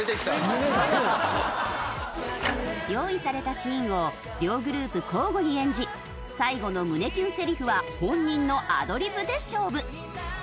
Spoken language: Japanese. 用意されたシーンを両グループ交互に演じ最後の胸キュンセリフは本人のアドリブで勝負。